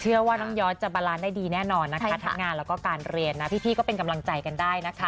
เชื่อว่าน้องยอดจะบาลานได้ดีแน่นอนนะคะทั้งงานแล้วก็การเรียนนะพี่ก็เป็นกำลังใจกันได้นะคะ